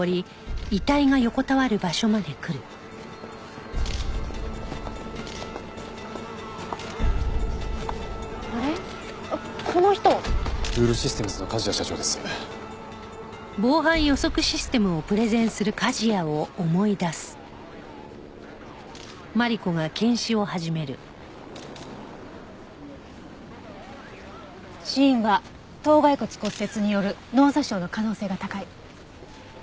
死因は頭蓋骨骨折による脳挫傷の可能性が高い。